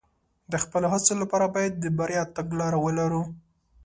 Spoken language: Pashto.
د خپلو هڅو لپاره باید د بریا تګلاره ولرو.